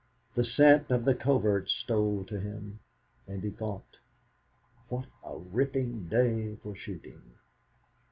The scent of the coverts stole to him, and he thought: '.hat a ripping day for shooting!'